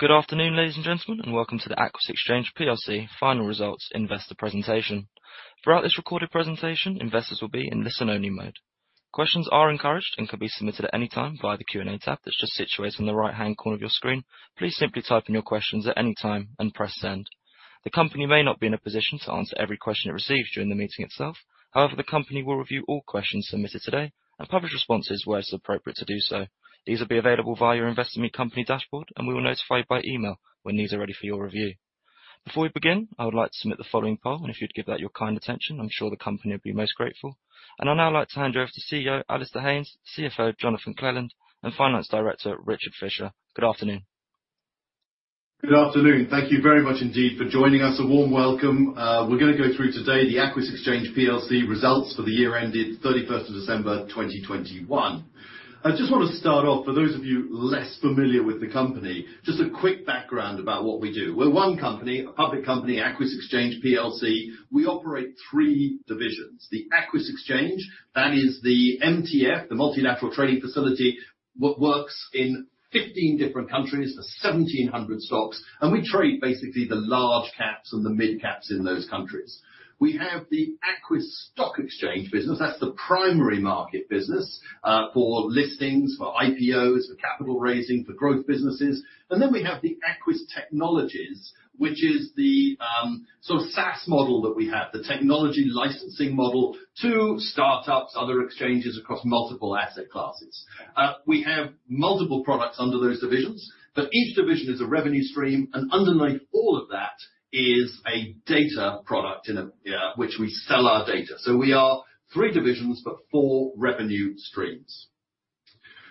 Good afternoon, ladies and gentlemen, and welcome to the Aquis Exchange PLC final results investor presentation. Throughout this recorded presentation, investors will be in listen-only mode. Questions are encouraged and can be submitted at any time via the Q&A tab that's just situated in the right-hand corner of your screen. Please simply type in your questions at any time and press Send. The company may not be in a position to answer every question it receives during the meeting itself. However, the company will review all questions submitted today and publish responses where it's appropriate to do so. These will be available via your Investor Meet Company dashboard, and we will notify you by email when these are ready for your review. Before we begin, I would like to submit the following poll, and if you'd give that your kind attention, I'm sure the company will be most grateful. I'd now like to hand you over to CEO, Alasdair Haynes, CFO, Jonathan Clelland, and Finance Director, Richard Fisher. Good afternoon. Good afternoon. Thank you very much indeed for joining us. A warm welcome. We're gonna go through today the Aquis Exchange PLC results for the year ended 31st December, 2021. I just wanna start off, for those of you less familiar with the company, just a quick background about what we do. We're one company, a public company, Aquis Exchange PLC. We operate three divisions, the Aquis Exchange, that is the MTF, the Multilateral Trading Facility, which works in 15 different countries for 1,700 stocks, and we trade basically the large caps and the mid caps in those countries. We have the Aquis Stock Exchange business. That's the primary market business for listings, for IPOs, for capital raising, for growth businesses. We have the Aquis Technologies, which is the sort of SaaS model that we have, the technology licensing model to start-ups, other exchanges across multiple asset classes. We have multiple products under those divisions, but each division is a revenue stream, and underneath all of that is a data product and a, which we sell our data. We are three divisions, but four revenue streams.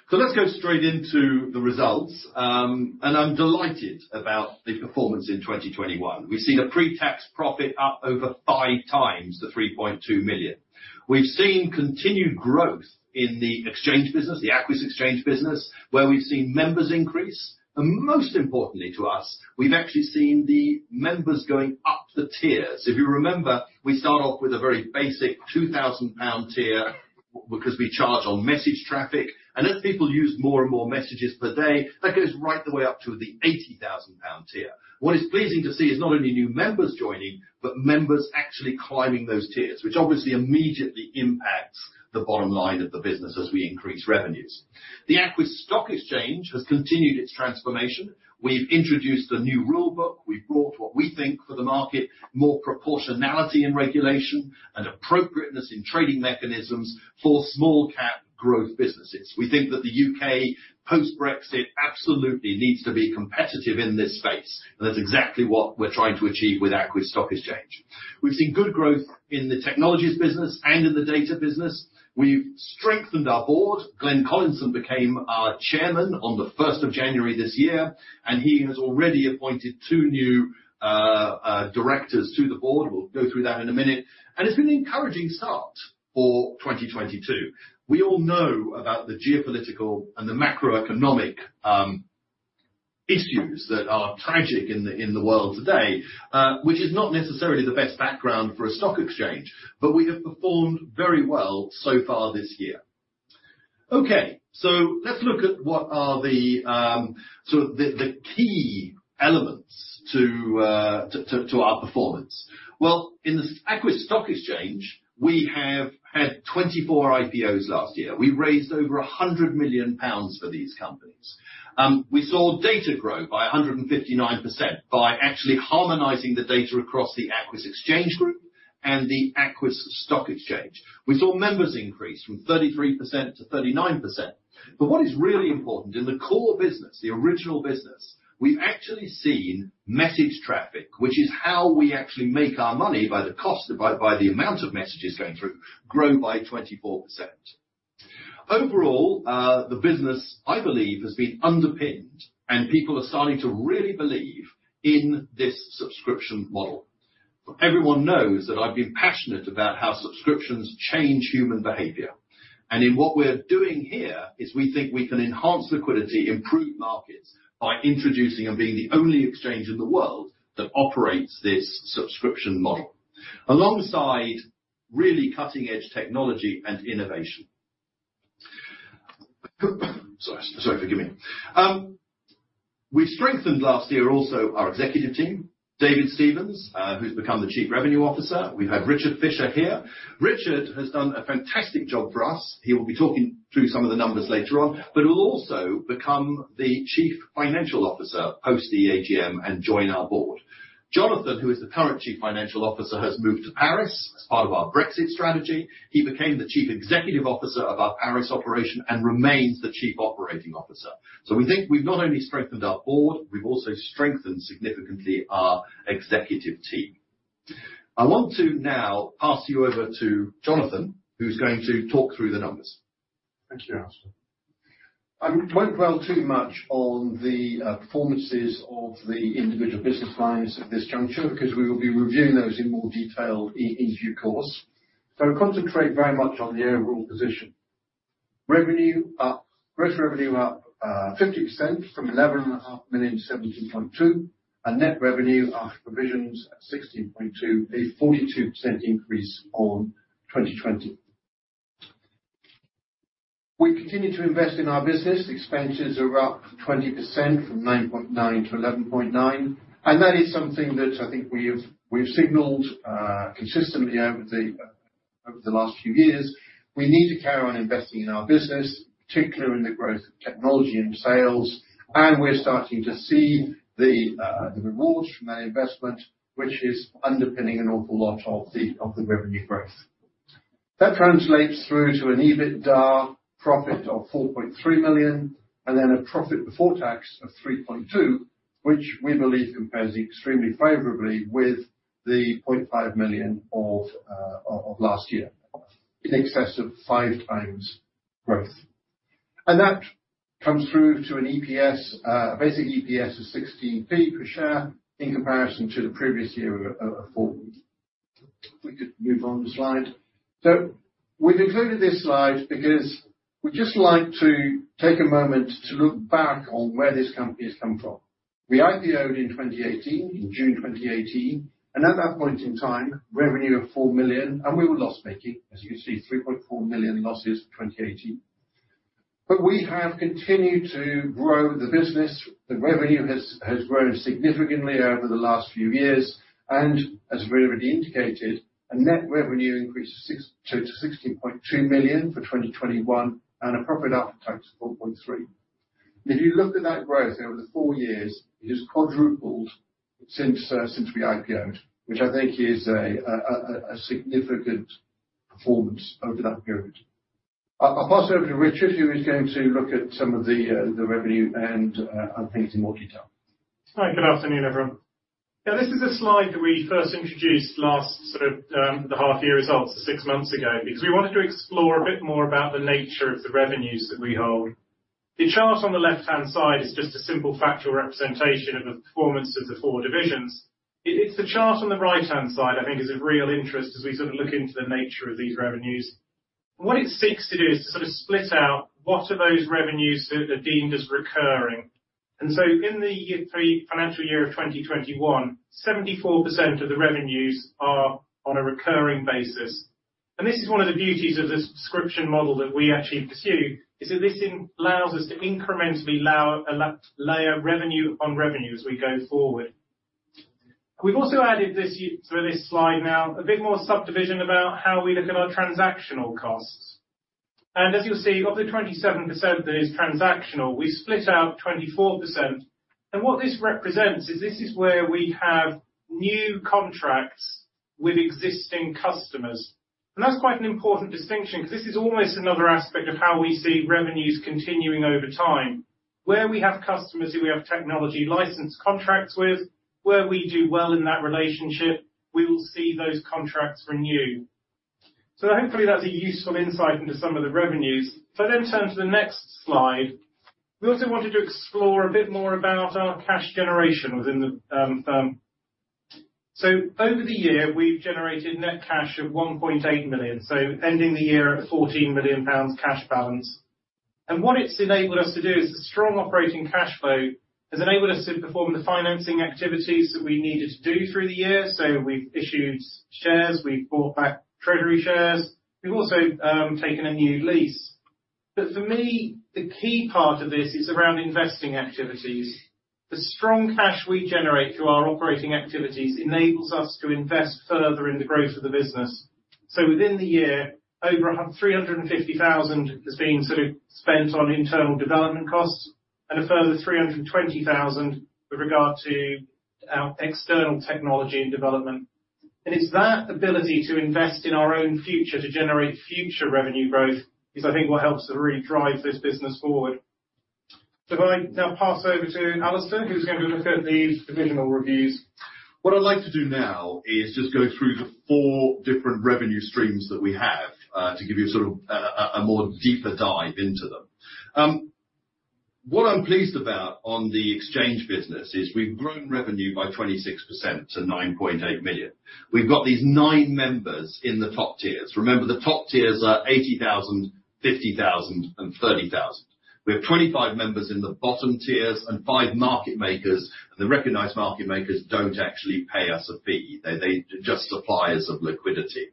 Let's go straight into the results, and I'm delighted about the performance in 2021. We've seen a pre-tax profit up over five times the 3.2 million. We've seen continued growth in the exchange business, the Aquis Exchange business, where we've seen members increase. Most importantly to us, we've actually seen the members going up the tiers. If you remember, we start off with a very basic 2,000 pound tier because we charge on message traffic. As people use more and more messages per day, that goes right the way up to the 80,000 pound tier. What is pleasing to see is not only new members joining, but members actually climbing those tiers, which obviously immediately impacts the bottom line of the business as we increase revenues. The Aquis Stock Exchange has continued its transformation. We've introduced a new rule book. We've brought what we think for the market, more proportionality and regulation and appropriateness in trading mechanisms for small cap growth businesses. We think that the U.K. post-Brexit absolutely needs to be competitive in this space, and that's exactly what we're trying to achieve with Aquis Stock Exchange. We've seen good growth in the technologies business and in the data business. We've strengthened our board. Glenn Collinson became our Chairman on the first of January this year, and he has already appointed two new directors to the board. We'll go through that in a minute. It's been an encouraging start for 2022. We all know about the geopolitical and the macroeconomic issues that are tragic in the world today, which is not necessarily the best background for a stock exchange, but we have performed very well so far this year. Okay, so let's look at what are the sort of key elements to our performance. Well, in the Aquis Stock Exchange, we have had 24 IPOs last year. We raised over 100 million pounds for these companies. We saw data grow by 159% by actually harmonizing the data across the Aquis Exchange PLC and the Aquis Stock Exchange. We saw members increase from 33%-39%. What is really important, in the core business, the original business, we've actually seen message traffic, which is how we actually make our money by the cost, by the amount of messages going through, grow by 24%. Overall, the business, I believe, has been underpinned and people are starting to really believe in this subscription model. Everyone knows that I've been passionate about how subscriptions change human behavior. In what we're doing here is we think we can enhance liquidity, improve markets by introducing and being the only exchange in the world that operates this subscription model. Alongside really cutting-edge technology and innovation. Sorry, forgive me. We strengthened last year also our executive team. David Stevens, who's become the Chief Revenue Officer. We have Richard Fisher here. Richard has done a fantastic job for us. He will be talking through some of the numbers later on, but will also become the Chief Financial Officer post the AGM and join our board. Jonathan, who is the current Chief Financial Officer, has moved to Paris as part of our Brexit strategy. He became the Chief Executive Officer of our Paris operation and remains the Chief Operating Officer. We think we've not only strengthened our board, we've also strengthened significantly our executive team. I want to now pass you over to Jonathan, who's going to talk through the numbers. Thank you, Alasdair. I won't dwell too much on the performances of the individual business lines at this juncture because we will be reviewing those in more detail in due course. Concentrate very much on the overall position. Revenue up. Gross revenue up 50% from 11.5 million-17.2 million. Net revenue after provisions at 16.2 million, a 42% increase on 2020. We continue to invest in our business. Expenses are up 20% from 9.9-11.9, and that is something that I think we have, we've signaled consistently over the last few years. We need to carry on investing in our business, particularly in the growth of technology and sales, and we're starting to see the rewards from that investment, which is underpinning an awful lot of the revenue growth. That translates through to an EBITDA profit of 4.3 million and then a profit before tax of 3.2, which we believe compares extremely favorably with the 0.5 million of last year. In excess of 5x growth. That comes through to an EPS, a basic EPS of 16p per share in comparison to the previous year of 4p. If we could move on the slide. We've included this slide because we'd just like to take a moment to look back on where this company has come from. We IPO'd in 2018, in June 2018, and at that point in time, revenue of 4 million and we were loss-making, as you can see, 3.4 million losses for 2018. We have continued to grow the business. The revenue has grown significantly over the last few years, and as we already indicated, a net revenue increase from 6 million-16.2 million for 2021 and a profit after tax of 4.3. If you looked at that growth over the four years, it has quadrupled since we IPO'd, which I think is a significant performance over that period. I'll pass over to Richard, who is going to look at some of the revenue and, I think, in more detail. Hi, good afternoon, everyone. Now, this is a slide that we first introduced last sort of the half-year results six months ago, because we wanted to explore a bit more about the nature of the revenues that we hold. The chart on the left-hand side is just a simple factual representation of the performance of the four divisions. It's the chart on the right-hand side, I think is of real interest as we sort of look into the nature of these revenues. What it seeks to do is to sort of split out what are those revenues that are deemed as recurring. In the financial year of 2021, 74% of the revenues are on a recurring basis. This is one of the beauties of the subscription model that we actually pursue is that this allows us to incrementally allow a layer revenue on revenue as we go forward. We've also added this through this slide now, a bit more subdivision about how we look at our transactional costs. As you'll see, of the 27% that is transactional, we split out 24%. What this represents is this is where we have new contracts with existing customers. That's quite an important distinction because this is almost another aspect of how we see revenues continuing over time. Where we have customers who we have technology license contracts with, where we do well in that relationship, we will see those contracts renew. Hopefully that's a useful insight into some of the revenues. If I then turn to the next slide, we also wanted to explore a bit more about our cash generation within the firm. Over the year, we've generated net cash of 1.8 million, ending the year at 14 million pounds cash balance. What it's enabled us to do is a strong operating cash flow has enabled us to perform the financing activities that we needed to do through the year. We've issued shares, we've bought back treasury shares. We've also taken a new lease. For me, the key part of this is around investing activities. The strong cash we generate through our operating activities enables us to invest further in the growth of the business. Within the year, over 350,000 has been sort of spent on internal development costs and a further 320,000 with regard to our external technology and development. It's that ability to invest in our own future to generate future revenue growth is, I think, what helps to really drive this business forward. If I now pass over to Alasdair, who's gonna look at the divisional reviews. What I'd like to do now is just go through the four different revenue streams that we have to give you sort of a more deeper dive into them. What I'm pleased about on the exchange business is we've grown revenue by 26% to 9.8 million. We've got these nine members in the top tiers. Remember, the top tiers are 80,000, 50,000, and 30,000. We have 25 members in the bottom tiers and five market makers. The recognized market makers don't actually pay us a fee. They just supply us with liquidity.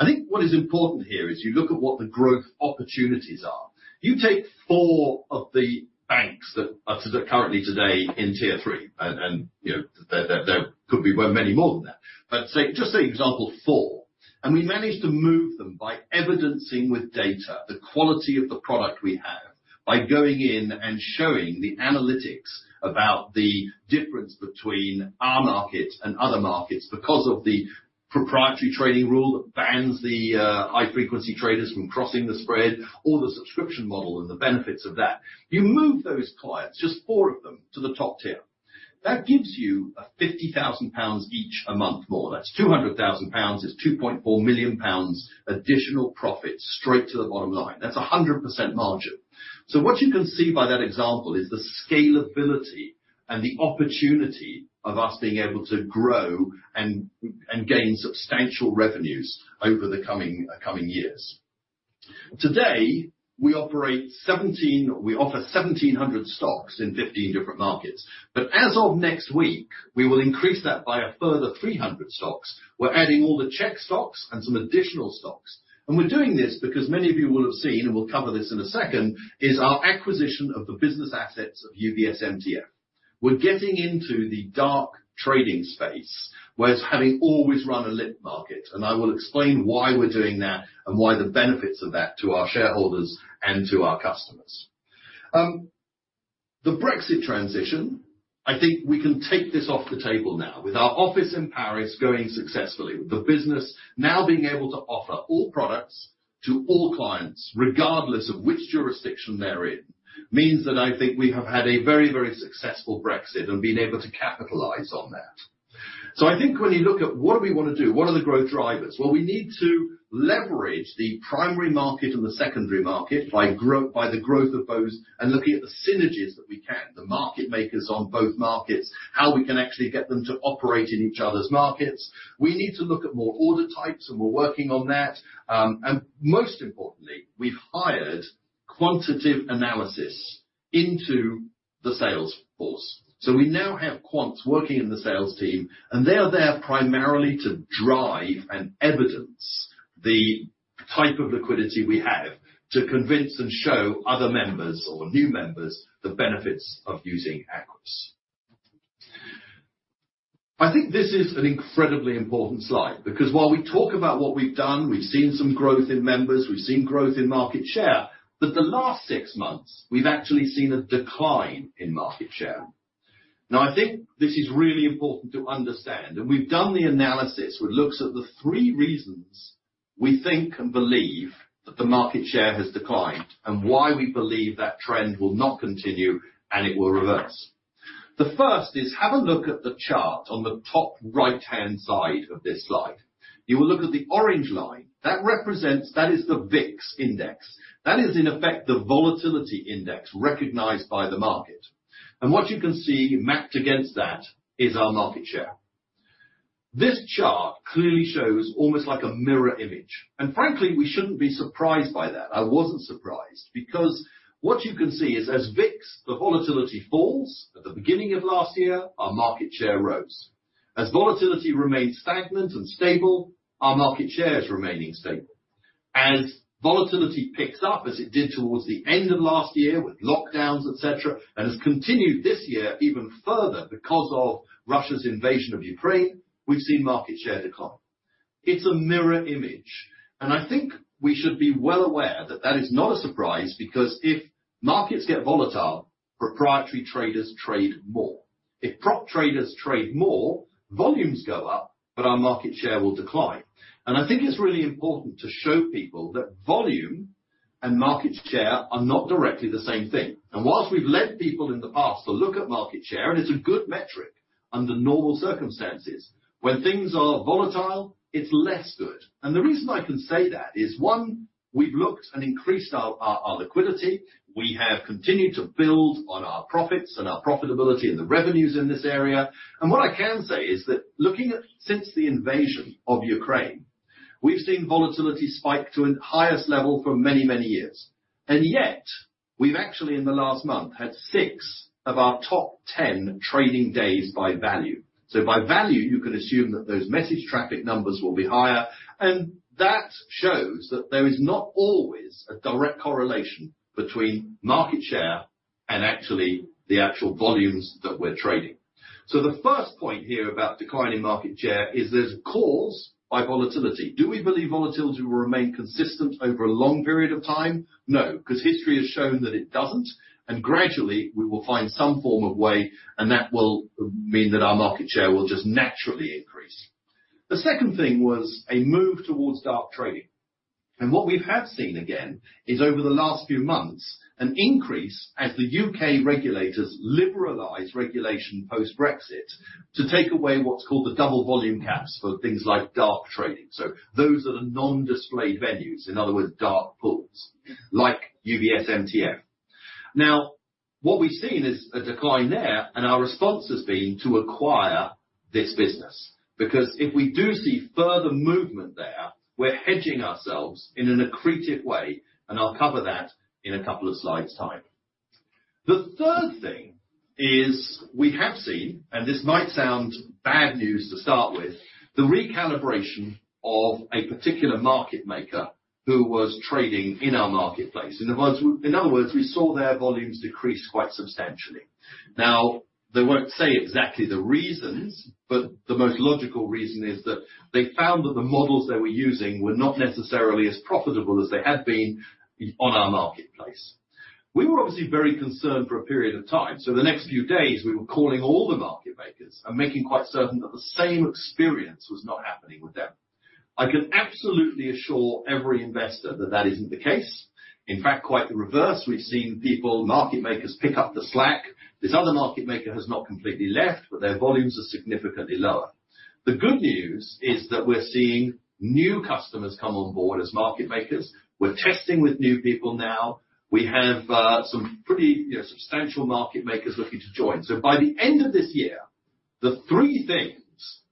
I think what is important here is you look at what the growth opportunities are. You take four of the banks that are currently today in tier three and, you know, there could be well, many more than that. Say, just say, for example, four, and we managed to move them by evidencing with data the quality of the product we have by going in and showing the analytics about the difference between our market and other markets because of the proprietary trading rule that bans the high frequency traders from crossing the spread or the subscription model and the benefits of that. You move those clients, just four of them, to the top tier. That gives you 50,000 pounds each a month more. That's 200,000 pounds, it's 2.4 million pounds additional profit straight to the bottom line. That's 100% margin. What you can see by that example is the scalability and the opportunity of us being able to grow and gain substantial revenues over the coming years. Today, we operate 17... We offer 1,700 stocks in 15 different markets. As of next week, we will increase that by a further 300 stocks. We're adding all the Czech stocks and some additional stocks. We're doing this because many of you will have seen, and we'll cover this in a second, is our acquisition of the business assets of UBS MTF. We're getting into the dark trading space, whereas having always run a lit market, and I will explain why we're doing that and why the benefits of that to our shareholders and to our customers. The Brexit transition, I think we can take this off the table now. With our office in Paris going successfully, with the business now being able to offer all products to all clients, regardless of which jurisdiction they're in, means that I think we have had a very, very successful Brexit and been able to capitalize on that. I think when you look at what do we wanna do, what are the growth drivers? Well, we need to leverage the primary market and the secondary market by the growth of both and looking at the synergies that we can, the market makers on both markets, how we can actually get them to operate in each other's markets. We need to look at more order types, and we're working on that. Most importantly, we've hired quantitative analysis into the sales force. We now have quants working in the sales team, and they are there primarily to drive and evidence the type of liquidity we have to convince and show other members or new members the benefits of using Aquis. I think this is an incredibly important slide because while we talk about what we've done, we've seen some growth in members, we've seen growth in market share, but the last six months, we've actually seen a decline in market share. Now, I think this is really important to understand, and we've done the analysis, which looks at the three reasons we think and believe that the market share has declined and why we believe that trend will not continue and it will reverse. The first is, have a look at the chart on the top right-hand side of this slide. You will look at the orange line. That represents... That is the VIX index. That is, in effect, the volatility index recognized by the market. What you can see mapped against that is our market share. This chart clearly shows almost like a mirror image. Frankly, we shouldn't be surprised by that. I wasn't surprised because what you can see is as VIX, the volatility falls. At the beginning of last year, our market share rose. As volatility remains stagnant and stable, our market share is remaining stable. As volatility picks up as it did towards the end of last year with lockdowns, et cetera, and has continued this year even further because of Russia's invasion of Ukraine, we've seen market share decline. It's a mirror image, and I think we should be well aware that that is not a surprise because if markets get volatile, proprietary traders trade more. If prop traders trade more, volumes go up, but our market share will decline. I think it's really important to show people that volume and market share are not directly the same thing. While we've led people in the past to look at market share, and it's a good metric under normal circumstances, when things are volatile, it's less good. The reason I can say that is, one, we've looked and increased our liquidity. We have continued to build on our profits and our profitability and the revenues in this area. What I can say is that looking at since the invasion of Ukraine, we've seen volatility spike to a highest level for many, many years. Yet, we've actually in the last month had six of our top 10 trading days by value. By value, you can assume that those message traffic numbers will be higher, and that shows that there is not always a direct correlation between market share and actually the actual volumes that we're trading. The first point here about declining market share is it's caused by volatility. Do we believe volatility will remain consistent over a long period of time? No, 'cause history has shown that it doesn't, and gradually, we will find some form of way, and that will mean that our market share will just naturally increase. The second thing was a move towards dark trading. What we have seen again is over the last few months, an increase as the U.K. regulators liberalize regulation post-Brexit to take away what's called the double volume caps for things like dark trading. Those are the non-displayed venues, in other words, dark pools like UBS MTF. Now, what we've seen is a decline there, and our response has been to acquire this business. Because if we do see further movement there, we're hedging ourselves in an accretive way, and I'll cover that in a couple of slides' time. The third thing is we have seen, and this might sound bad news to start with, the recalibration of a particular market maker who was trading in our marketplace. In other words, we saw their volumes decrease quite substantially. Now, they won't say exactly the reasons, but the most logical reason is that they found that the models they were using were not necessarily as profitable as they had been on our marketplace. We were obviously very concerned for a period of time. The next few days, we were calling all the market makers and making quite certain that the same experience was not happening with them. I can absolutely assure every investor that that isn't the case. In fact, quite the reverse. We've seen people, market makers pick up the slack. This other market maker has not completely left, but their volumes are significantly lower. The good news is that we're seeing new customers come on board as market makers. We're testing with new people now. We have some pretty, you know, substantial market makers looking to join. By the end of this year, the three things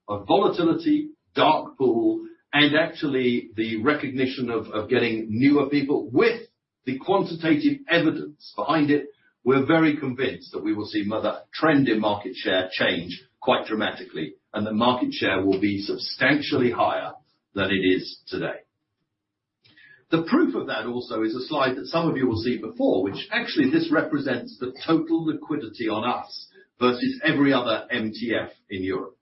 of volatility, dark pool, and actually the recognition of getting newer people with the quantitative evidence behind it, we're very convinced that we will see another trend in market share change quite dramatically, and the market share will be substantially higher than it is today. The proof of that also is a slide that some of you will see before, which actually this represents the total liquidity on us versus every other MTF in Europe.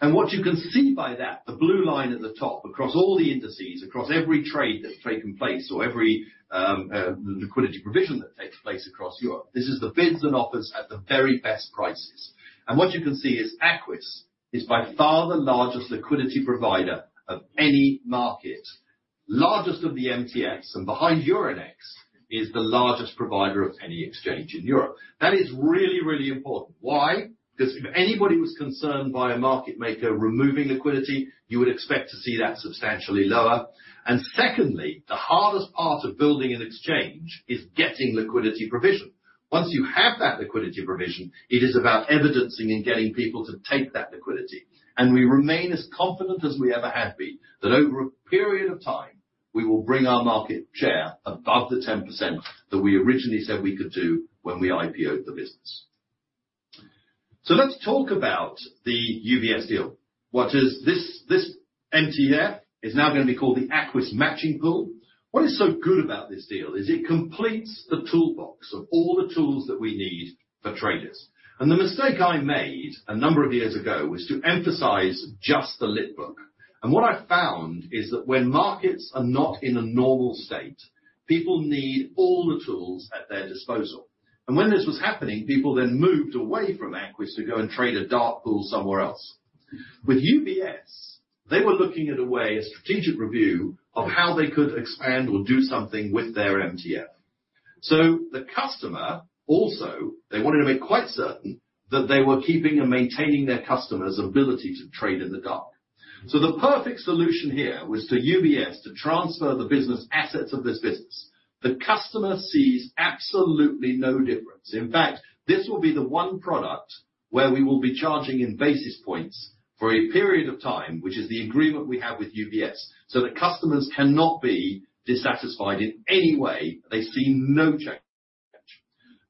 What you can see by that, the blue line at the top, across all the indices, across every trade that's taken place or every liquidity provision that takes place across Europe, this is the bids and offers at the very best prices. What you can see is Aquis is by far the largest liquidity provider of any market, largest of the MTFs, and behind Euronext is the largest provider of any exchange in Europe. That is really, really important. Why? Because if anybody was concerned by a market maker removing liquidity, you would expect to see that substantially lower. Secondly, the hardest part of building an exchange is getting liquidity provision. Once you have that liquidity provision, it is about evidencing and getting people to take that liquidity. We remain as confident as we ever have been, that over a period of time, we will bring our market share above the 10% that we originally said we could do when we IPO'd the business. Let's talk about the UBS deal. What is this? This MTF is now gonna be called the Aquis Matching Pool. What is so good about this deal is it completes the toolbox of all the tools that we need for traders. The mistake I made a number of years ago was to emphasize just the lit book. What I found is that when markets are not in a normal state, people need all the tools at their disposal. When this was happening, people then moved away from Aquis to go and trade a dark pool somewhere else. With UBS, they were looking at a way, a strategic review of how they could expand or do something with their MTF. The customer also, they wanted to make quite certain that they were keeping and maintaining their customers' ability to trade in the dark. The perfect solution here was for UBS to transfer the business assets of this business. The customer sees absolutely no difference. In fact, this will be the one product where we will be charging in basis points for a period of time, which is the agreement we have with UBS, so that customers cannot be dissatisfied in any way. They see no change.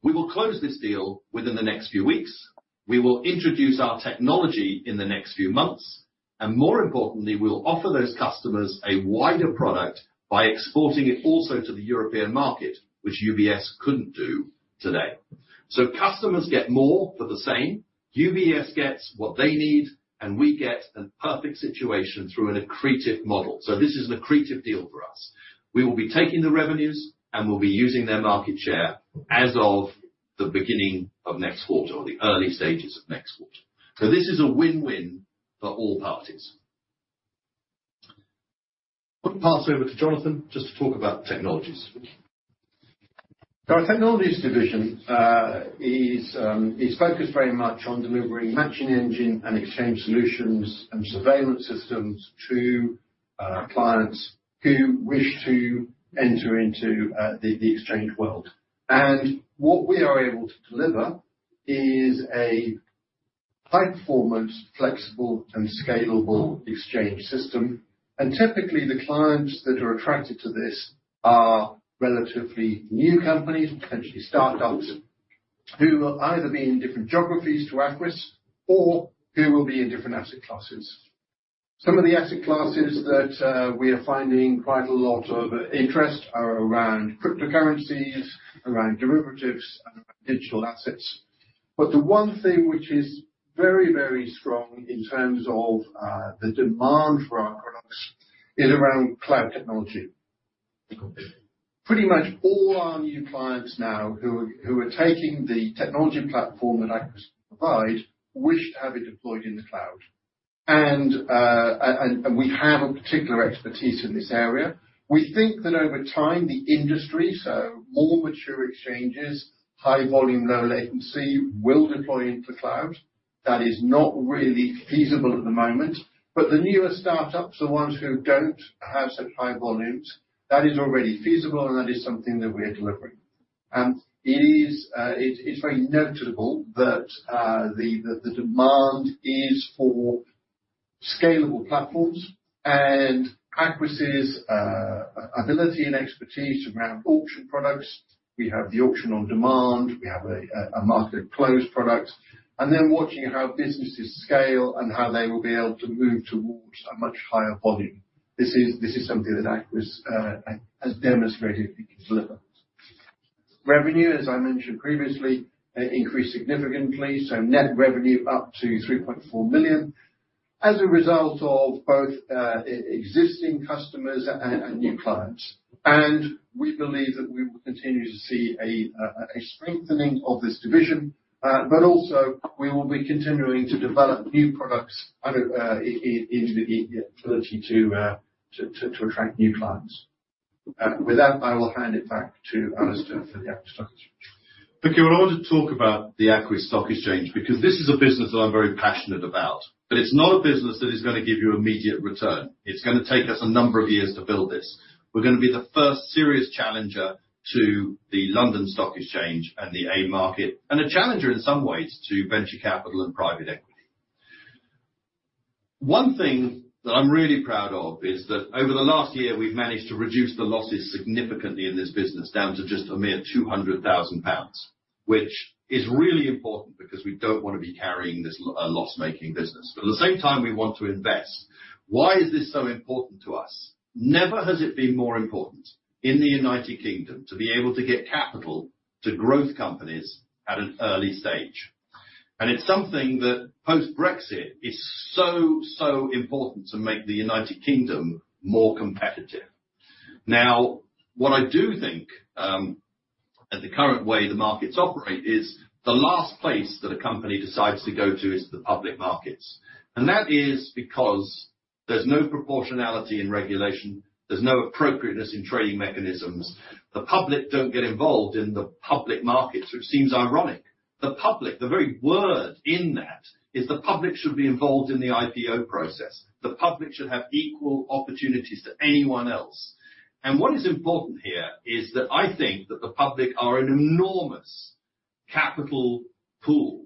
We will close this deal within the next few weeks. We will introduce our technology in the next few months, and more importantly, we'll offer those customers a wider product by exporting it also to the European market, which UBS couldn't do today. Customers get more for the same. UBS gets what they need, and we get a perfect situation through an accretive model. This is an accretive deal for us. We will be taking the revenues, and we'll be using their market share as of the beginning of next quarter or the early stages of next quarter. This is a win-win for all parties. Gonna pass over to Jonathan just to talk about technologies. Our technologies division is focused very much on delivering matching engine and exchange solutions and surveillance systems to clients who wish to enter into the exchange world. What we are able to deliver is a high-performance, flexible and scalable exchange system. Typically, the clients that are attracted to this are relatively new companies, potentially startups, who will either be in different geographies to Aquis or who will be in different asset classes. Some of the asset classes that we are finding quite a lot of interest are around cryptocurrencies, around derivatives and digital assets. The one thing which is very, very strong in terms of the demand for our products is around cloud technology. Pretty much all our new clients now who are taking the technology platform that Aquis provide wish to have it deployed in the cloud. We have a particular expertise in this area. We think that over time, the industry, so more mature exchanges, high volume, low latency, will deploy into cloud. That is not really feasible at the moment. The newer startups, the ones who don't have such high volumes, that is already feasible, and that is something that we are delivering. It's very notable that the demand is for scalable platforms and Aquis' ability and expertise around auction products. We have the Auction on Demand. We have a market close product. Then watching how businesses scale and how they will be able to move towards a much higher volume. This is something that Aquis has demonstrated it can deliver. Revenue, as I mentioned previously, increased significantly, so net revenue up to 3.4 million as a result of both existing customers and new clients. We believe that we will continue to see a strengthening of this division. We will be continuing to develop new products in the ability to attract new clients. With that, I will hand it back to Alasdair for the Aquis Stock Exchange. Okay. I want to talk about the Aquis Stock Exchange because this is a business that I'm very passionate about. It's not a business that is gonna give you immediate return. It's gonna take us a number of years to build this. We're gonna be the first serious challenger to the London Stock Exchange and the AIM Market, and a challenger in some ways to venture capital and private equity. One thing that I'm really proud of is that over the last year, we've managed to reduce the losses significantly in this business down to just a mere 200,000 pounds. Which is really important because we don't wanna be carrying a loss-making business, but at the same time, we want to invest. Why is this so important to us? Never has it been more important in the United Kingdom to be able to get capital to growth companies at an early stage. It's something that post-Brexit is so important to make the United Kingdom more competitive. Now, what I do think, at the current way the markets operate, is the last place that a company decides to go to is the public markets. That is because there's no proportionality in regulation, there's no appropriateness in trading mechanisms. The public don't get involved in the public market, so it seems ironic. The public, the very word in that, is the public should be involved in the IPO process. The public should have equal opportunities to anyone else. What is important here is that I think that the public are an enormous capital pool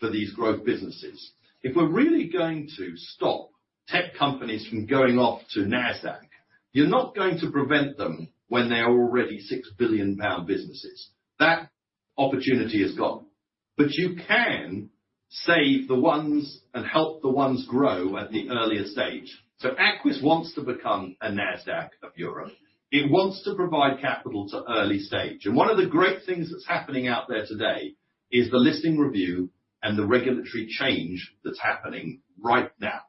for these growth businesses. If we're really going to stop tech companies from going off to Nasdaq, you're not going to prevent them when they are already 6 billion pound businesses. That opportunity is gone. You can save the ones and help the ones grow at the earlier stage. Aquis wants to become a Nasdaq of Europe. It wants to provide capital to early stage. One of the great things that's happening out there today is the listing review and the regulatory change that's happening right now.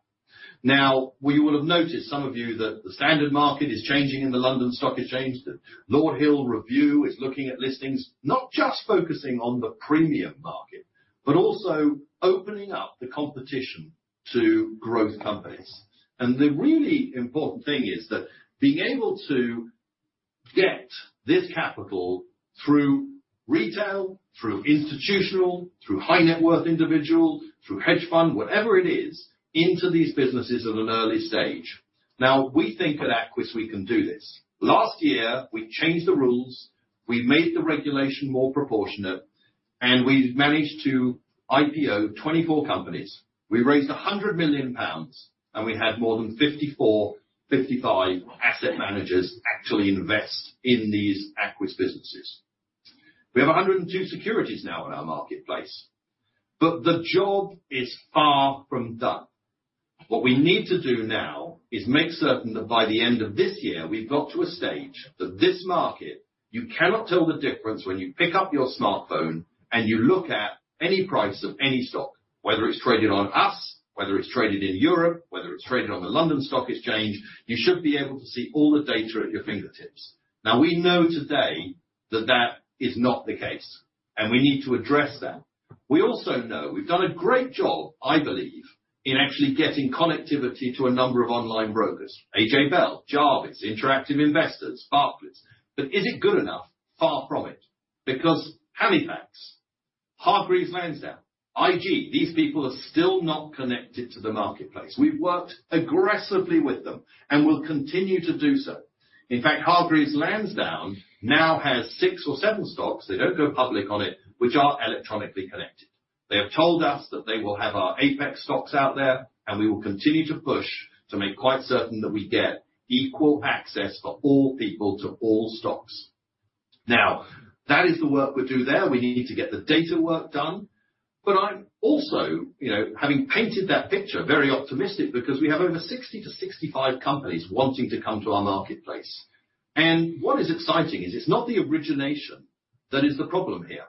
Now, we would have noticed, some of you, that the standard market is changing and the London Stock Exchange, the Lord Hill review is looking at listings, not just focusing on the premium market, but also opening up the competition to growth companies. The really important thing is that being able to get this capital through retail, through institutional, through high net worth individual, through hedge fund, whatever it is, into these businesses at an early stage. Now, we think at Aquis, we can do this. Last year, we changed the rules, we made the regulation more proportionate, and we've managed to IPO 24 companies. We raised 100 million pounds, and we had more than 54, 55 asset managers actually invest in these Aquis businesses. We have 102 securities now in our marketplace, but the job is far from done. What we need to do now is make certain that by the end of this year, we've got to a stage that this market, you cannot tell the difference when you pick up your smartphone and you look at any price of any stock. Whether it's traded on us, whether it's traded in Europe, whether it's traded on the London Stock Exchange, you should be able to see all the data at your fingertips. Now, we know today that that is not the case, and we need to address that. We also know we've done a great job, I believe, in actually getting connectivity to a number of online brokers, AJ Bell, Jarvis, Interactive Investor, Barclays. But is it good enough? Far from it. Because Halifax, Hargreaves Lansdown, IG, these people are still not connected to the marketplace. We've worked aggressively with them, and we'll continue to do so. In fact, Hargreaves Lansdown now has six or seven stocks, they don't go public on it, which are electronically connected. They have told us that they will have our Apex stocks out there, and we will continue to push to make quite certain that we get equal access for all people to all stocks. Now, that is the work we do there. We need to get the data work done. But I'm also, you know, having painted that picture, very optimistic because we have over 60 to 65 companies wanting to come to our marketplace. What is exciting is it's not the origination that is the problem here.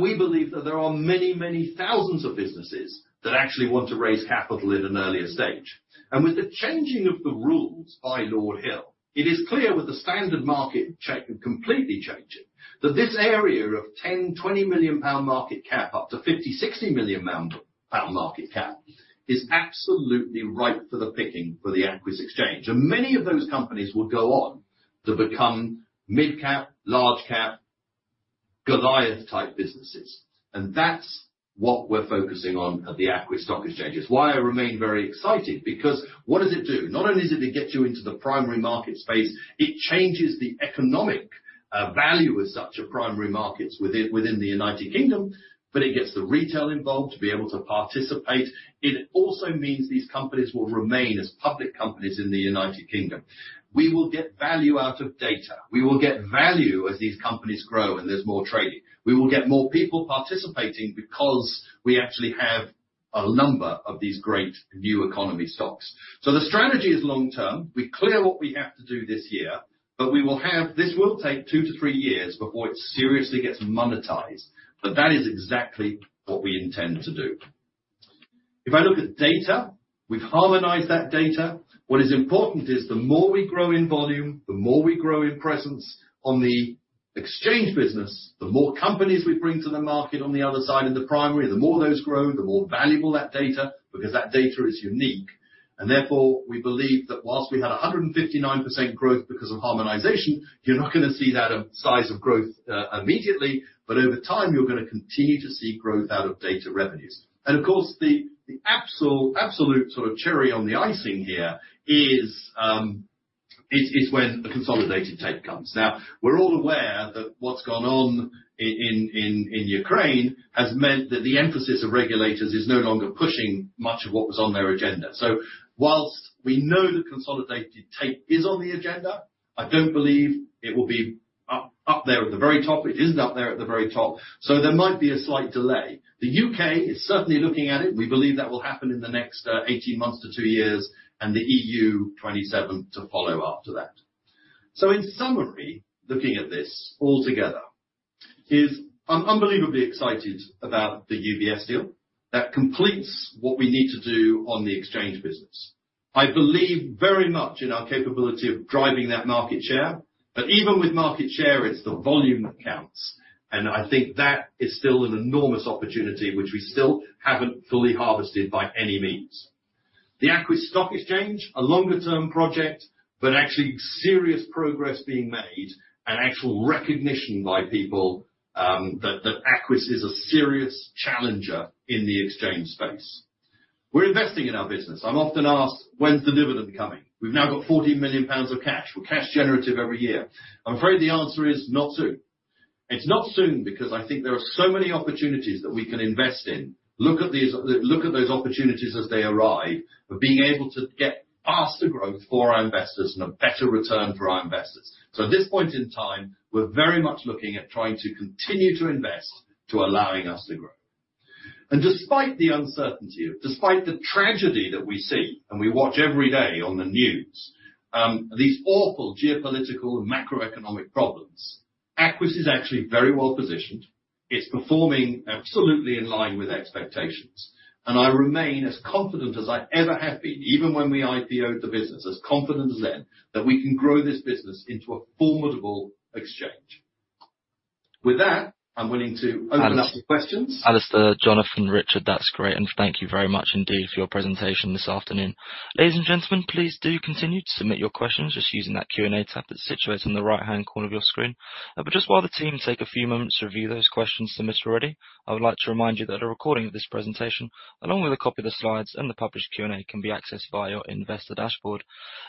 We believe that there are many, many thousands of businesses that actually want to raise capital at an earlier stage. With the changing of the rules by Lord Hill, it is clear with the standard market check and completely changing, that this area of 10 million-20 million pound market cap, up to 50 million-60 million pound market cap is absolutely ripe for the picking for the Aquis Exchange. Many of those companies will go on to become mid-cap, large-cap, Goliath-type businesses. That's what we're focusing on at the Aquis Stock Exchange. It's why I remain very excited because what does it do? Not only does it get you into the primary market space, it changes the economic value as such of primary markets within the United Kingdom, but it gets the retail involved to be able to participate. It also means these companies will remain as public companies in the United Kingdom. We will get value out of data. We will get value as these companies grow and there's more trading. We will get more people participating because we actually have a number of these great new economy stocks. The strategy is long-term. We're clear what we have to do this year, but this will take two to three years before it seriously gets monetized. That is exactly what we intend to do. If I look at data, we've harmonized that data. What is important is the more we grow in volume, the more we grow in presence on the exchange business, the more companies we bring to the market on the other side in the primary, the more those grow, the more valuable that data, because that data is unique. Therefore, we believe that while we had 159% growth because of harmonization, you're not gonna see that size of growth immediately, but over time, you're gonna continue to see growth out of data revenues. Of course, the absolute sort of cherry on the icing here is when the consolidated tape comes. Now, we're all aware that what's gone on in Ukraine has meant that the emphasis of regulators is no longer pushing much of what was on their agenda. While we know the consolidated tape is on the agenda, I don't believe it will be up there at the very top. It isn't up there at the very top. There might be a slight delay. The U.K. is certainly looking at it. We believe that will happen in the next 18 months to two years, and the E.U. 27 to follow after that. In summary, looking at this all together, is I'm unbelievably excited about the UBS deal that completes what we need to do on the exchange business. I believe very much in our capability of driving that market share, but even with market share, it's the volume that counts, and I think that is still an enormous opportunity which we still haven't fully harvested by any means. The Aquis Stock Exchange, a longer-term project, but actually serious progress being made and actual recognition by people, that Aquis is a serious challenger in the exchange space. We're investing in our business. I'm often asked, "When's the dividend coming?" We've now got 40 million pounds of cash. We're cash generative every year. I'm afraid the answer is, not soon. It's not soon because I think there are so many opportunities that we can invest in. Look at those opportunities as they arrive, we're being able to get faster growth for our investors and a better return for our investors. At this point in time, we're very much looking at trying to continue to invest, to allowing us to grow. Despite the uncertainty, despite the tragedy that we see, and we watch every day on the news, these awful geopolitical and macroeconomic problems, Aquis is actually very well-positioned. It's performing absolutely in line with expectations. I remain as confident as I ever have been, even when we IPO'd the business, as confident as then, that we can grow this business into a formidable exchange. With that, I'm willing to open up the questions. Alasdair, Jonathan, Richard, that's great. Thank you very much indeed for your presentation this afternoon. Ladies and gentlemen, please do continue to submit your questions just using that Q&A tab that's situated in the right-hand corner of your screen. But just while the team take a few moments to review those questions submitted already, I would like to remind you that a recording of this presentation, along with a copy of the slides and the published Q&A, can be accessed via your investor dashboard.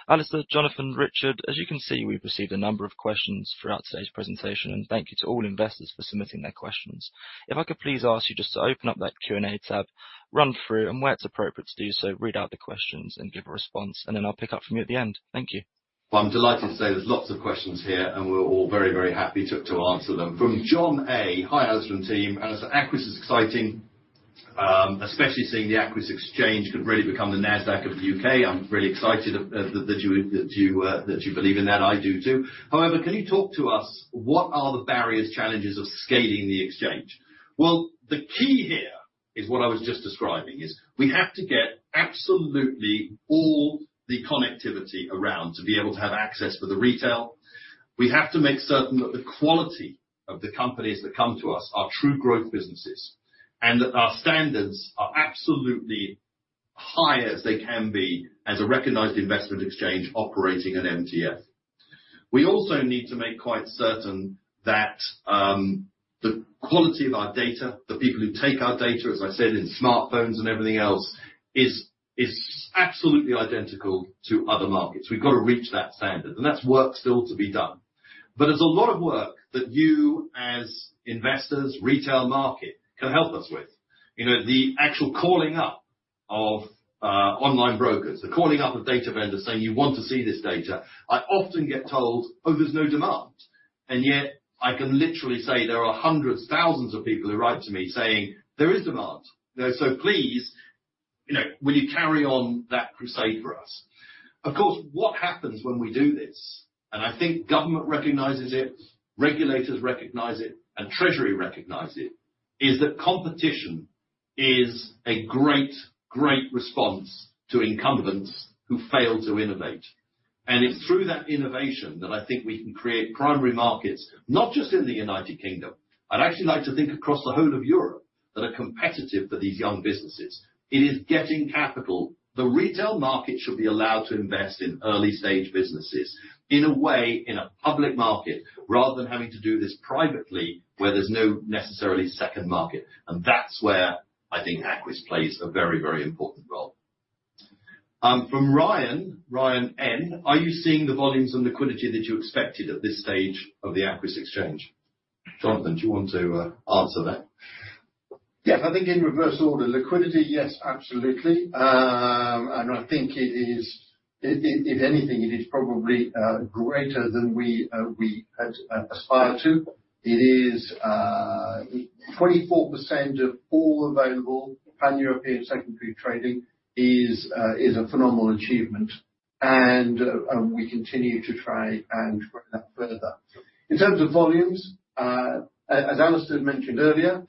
Alasdair, Jonathan, Richard, as you can see, we've received a number of questions throughout today's presentation, and thank you to all investors for submitting their questions. If I could please ask you just to open up that Q&A tab, run through, and where it's appropriate to do so, read out the questions and give a response, and then I'll pick up from you at the end. Thank you. Well, I'm delighted to say there's lots of questions here, and we're all very, very happy to answer them. From John A. "Hi, Alasdair and team. Alasdair, Aquis is exciting, especially seeing the Aquis Exchange could really become the Nasdaq of the U.K. I'm really excited that you believe in that. I do too. However, can you talk to us, what are the barriers, challenges of scaling the exchange?" Well, the key here is what I was just describing. We have to get absolutely all the connectivity around to be able to have access for the retail. We have to make certain that the quality of the companies that come to us are true growth businesses, and that our standards are absolutely high as they can be as a recognized investment exchange operating an MTF. We also need to make quite certain that the quality of our data, the people who take our data, as I said, in smartphones and everything else, is absolutely identical to other markets. We've got to reach that standard, and that's work still to be done. It's a lot of work that you, as investors, retail market, can help us with. You know, the actual calling up of online brokers, the calling up of data vendors saying, "You want to see this data." I often get told, "Oh, there's no demand." Yet I can literally say there are hundreds, thousands of people who write to me saying, "There is demand. Please, you know, will you carry on that crusade for us?" Of course, what happens when we do this, and I think government recognizes it, regulators recognize it, and Treasury recognize it, is that competition is a great response to incumbents who fail to innovate. It's through that innovation that I think we can create primary markets, not just in the United Kingdom, I'd actually like to think across the whole of Europe, that are competitive for these young businesses. It is getting capital. The retail market should be allowed to invest in early-stage businesses in a way, in a public market, rather than having to do this privately where there's not necessarily a second market. That's where I think Aquis plays a very, very important role. From Ryan N: "Are you seeing the volumes and liquidity that you expected at this stage of the Aquis Exchange?" Jonathan, do you want to answer that? Yes. I think in reverse order. Liquidity, yes, absolutely. I think it is. If anything, it is probably greater than we had aspired to. It is 24% of all available pan-European secondary trading is a phenomenal achievement. We continue to try and grow that further. In terms of volumes, as Alasdair mentioned earlier,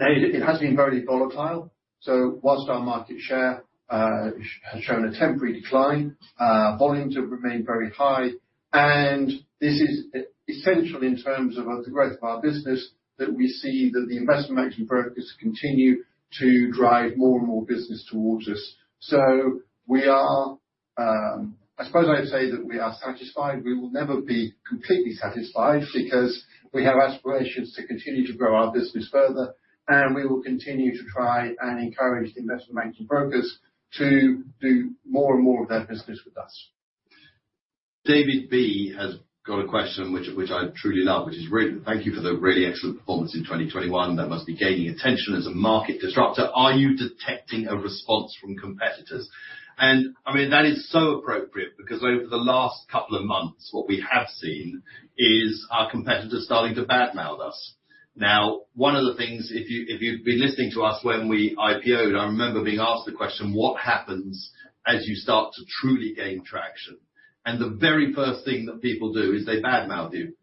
it has been very volatile. Whilst our market share has shown a temporary decline, volumes have remained very high. This is essential in terms of the growth of our business, that we see that the investment banking brokers continue to drive more and more business towards us. We are, I suppose I'd say that we are satisfied. We will never be completely satisfied because we have aspirations to continue to grow our business further, and we will continue to try and encourage the investment banking brokers to do more and more of their business with us. David B has got a question which I truly love, which is, "Thank you for the really excellent performance in 2021. That must be gaining attention as a market disruptor. Are you detecting a response from competitors?" I mean, that is so appropriate because over the last couple of months, what we have seen is our competitors starting to badmouth us. Now, one of the things, if you've been listening to us when we IPO'd, I remember being asked the question, "What happens as you start to truly gain traction?" The very first thing that people do is they badmouth you.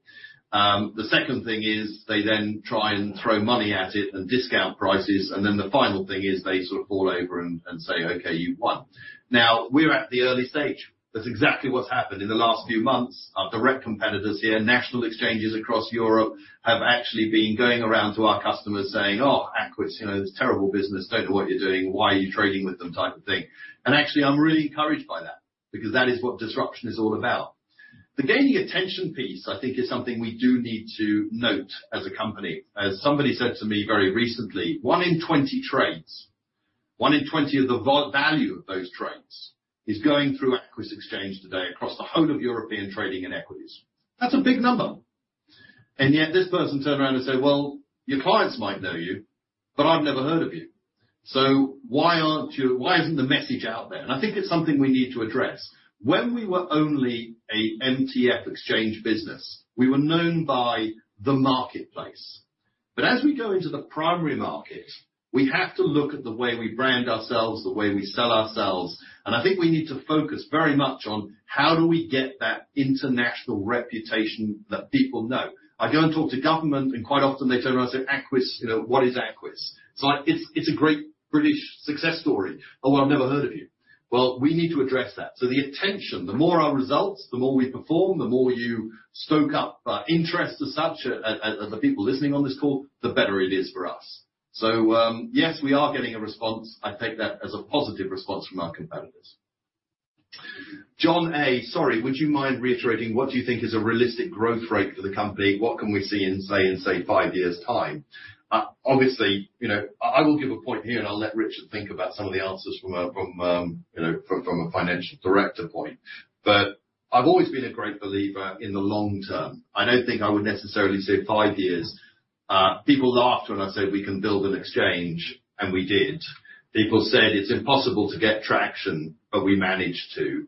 The second thing is they then try and throw money at it and discount prices. Then the final thing is they sort of fall over and say, "Okay, you've won." Now, we're at the early stage. That's exactly what's happened in the last few months. Our direct competitors here, national exchanges across Europe, have actually been going around to our customers saying, "Oh, Aquis, you know, it's a terrible business. Don't know what you're doing. Why are you trading with them?" Type of thing. Actually, I'm really encouraged by that because that is what disruption is all about. The gaining attention piece, I think, is something we do need to note as a company. As somebody said to me very recently, one in 20 trades, one in 20 of the vol-value of those trades is going through Aquis Exchange today across the whole of European trading and equities. That's a big number. Yet this person turned around and said, "Well, your clients might know you, but I've never heard of you. Why isn't the message out there? I think it's something we need to address. When we were only a MTF exchange business, we were known by the marketplace. As we go into the primary market, we have to look at the way we brand ourselves, the way we sell ourselves, and I think we need to focus very much on how do we get that international reputation that people know. I go and talk to government, and quite often they turn around and say, "Aquis, you know, what is Aquis?" It's like, "It's a great British success story." "Oh, I've never heard of you." Well, we need to address that. The more attention, the more our results, the more we perform, the more you stoke up interest as such, as the people listening on this call, the better it is for us. Yes, we are getting a response. I take that as a positive response from our competitors. John A: "Sorry, would you mind reiterating what you think is a realistic growth rate for the company? What can we see in, say, five years' time?" Obviously, you know, I will give a point here, and I'll let Richard think about some of the answers from a financial director point. I've always been a great believer in the long term. I don't think I would necessarily say five years. People laughed when I said we can build an exchange, and we did. People said it's impossible to get traction, but we managed to.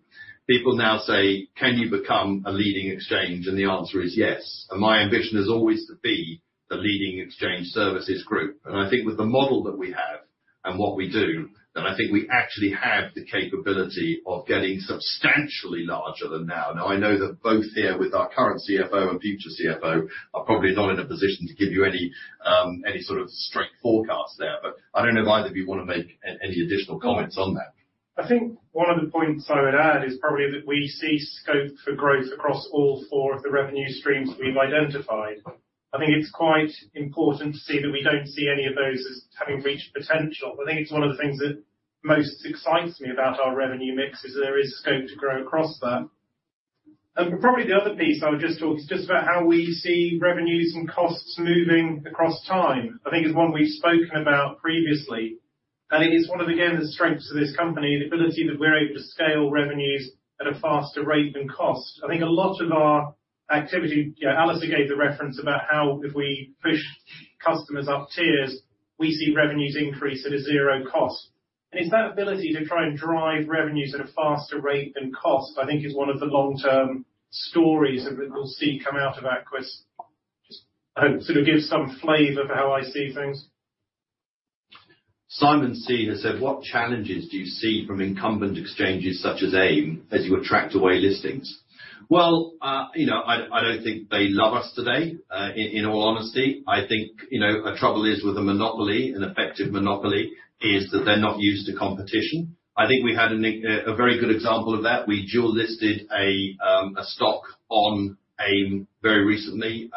People now say, "Can you become a leading exchange?" The answer is yes. My ambition is always to be the leading exchange services group. I think with the model that we have and what we do, then I think we actually have the capability of getting substantially larger than now. I know that both here with our current CFO and future CFO are probably not in a position to give you any sort of straight forecast there. I don't know if either of you wanna make any additional comments on that. I think one of the points I would add is probably that we see scope for growth across all four of the revenue streams we've identified. I think it's quite important to see that we don't see any of those as having reached potential. I think it's one of the things that most excites me about our revenue mix, is there is scope to grow across that. Probably the other piece I would just talk is just about how we see revenues and costs moving across time. I think it's one we've spoken about previously. I think it's one of, again, the strengths of this company, the ability that we're able to scale revenues at a faster rate than cost. I think a lot of our activity. Yeah, Alasdair gave the reference about how if we push customers up tiers, we see revenues increase at a zero cost. It's that ability to try and drive revenues at a faster rate than cost, I think is one of the long-term stories that we'll see come out of Aquis. Just, I hope, sort of gives some flavor for how I see things. Simon C has said, "What challenges do you see from incumbent exchanges such as AIM as you attract away listings?" Well, you know, I don't think they love us today, in all honesty. I think, you know, the trouble is with a monopoly, an effective monopoly, is that they're not used to competition. I think we had a very good example of that. We dual listed a stock on AIM very recently,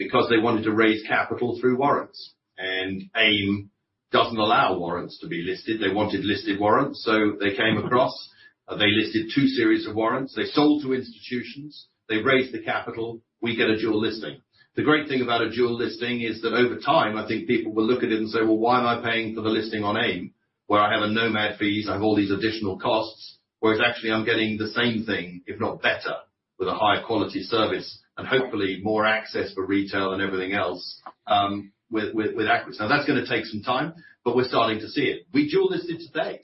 because they wanted to raise capital through warrants. AIM doesn't allow warrants to be listed. They wanted listed warrants, so they came across, they listed two series of warrants. They sold to institutions. They raised the capital. We got a dual listing. The great thing about a dual listing is that over time, I think people will look at it and say, "Well, why am I paying for the listing on AIM, where I have a Nomad fees, I have all these additional costs, whereas actually I'm getting the same thing, if not better, with a higher quality service and hopefully more access for retail and everything else, with Aquis?" Now, that's gonna take some time, but we're starting to see it. We dual listed today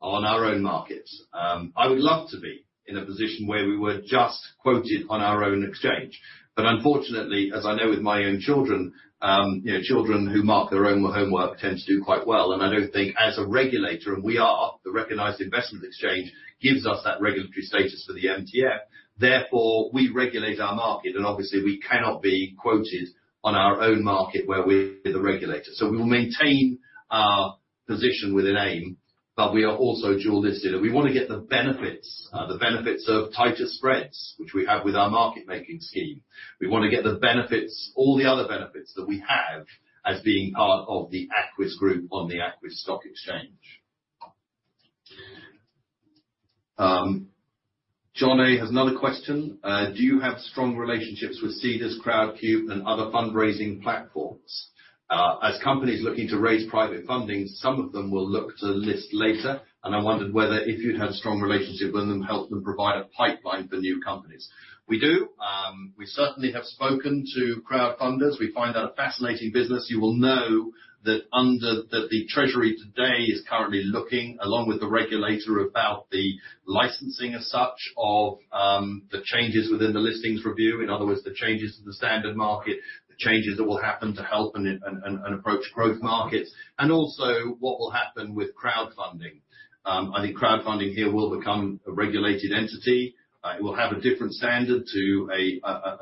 on our own market. I would love to be in a position where we were just quoted on our own exchange. Unfortunately, as I know with my own children, you know, children who mark their own homework tend to do quite well. I don't think as a regulator, and we are the recognized investment exchange, gives us that regulatory status for the MTF. Therefore, we regulate our market and obviously we cannot be quoted on our own market where we're the regulator. We will maintain our position within AIM, but we are also dual listed. We wanna get the benefits of tighter spreads, which we have with our market making scheme. We wanna get the benefits, all the other benefits that we have as being part of the Aquis group on the Aquis Stock Exchange. Jonathan has another question. "Do you have strong relationships with Seedrs, Crowdcube, and other fundraising platforms? As companies looking to raise private funding, some of them will look to list later, and I wondered whether if you'd had strong relationships with them, help them provide a pipeline for new companies. We do. We certainly have spoken to crowdfunders. We find that a fascinating business. You will know that the Treasury today is currently looking, along with the regulator, about the licensing as such of the changes within the Listings Review. In other words, the changes to the standard market, the changes that will happen to help and approach growth markets, and also what will happen with crowdfunding. I think crowdfunding here will become a regulated entity. It will have a different standard to